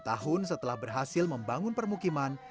tujuh tahun setelah berhasil membangun permukiman